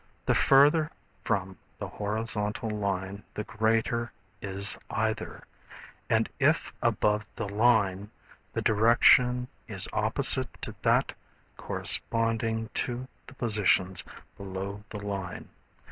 The further from the horizontal line the greater is either, and if above the line the direction is opposite to that corresponding to the positions below the line.